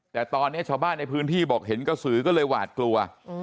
แต่ตอนนี้ชาวบ้านในพื้นที่บอกเห็นกระสือก็เลยหวาดกลัว